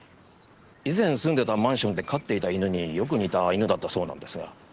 以前住んでいたマンションで飼っていた犬によく似た犬だったそうなんですが。